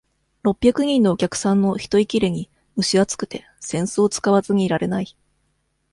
六百人のお客さんの人いきれに、むし暑くて、扇子を使わずにいられない。